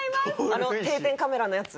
あの定点カメラのやつ？